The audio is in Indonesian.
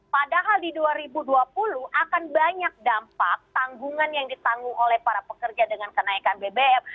padahal di dua ribu dua puluh akan banyak dampak tanggungan yang ditanggung oleh para pekerja dengan kenaikan bbm